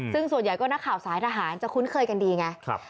ซึ่งส่วนใหญ่ก็นักข่าวสายทหารจะคุ้นเคยกันดีไง